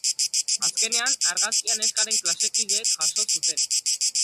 Azkenean, argazkia neskaren klasekideek jaso zuten.